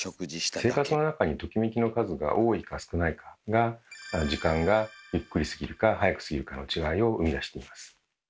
生活の中にトキメキの数が多いか少ないかが時間がゆっくり過ぎるか早く過ぎるかの違いを生み出しています。